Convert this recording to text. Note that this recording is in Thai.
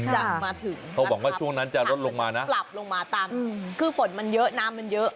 อย่างมาถึงครับครับปรับลงมาตามคือฝนมันเยอะน้ำมันเยอะ